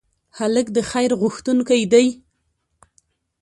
هلک د خیر غوښتونکی دی.